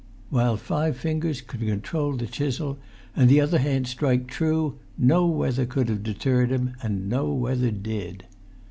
While five fingers could control the chisel, and the other hand[Pg 215] strike true, no weather could have deterred him. And no weather did.